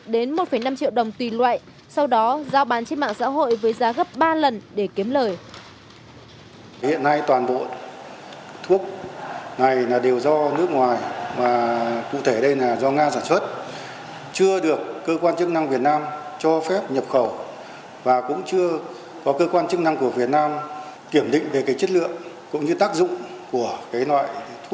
đến một năm triệu đồng tùy loại sau đó giao bán trên mạng xã hội với giá gấp ba lần để kiếm lời